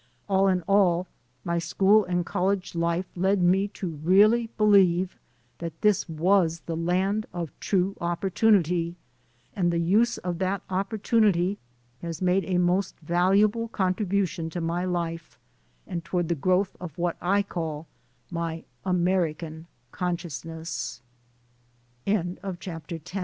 All in all, my school and college life led me to really believe that this was the land of true opportunity, and the use of that opportunity has made a most valuable contribution to my life and toward the growth of what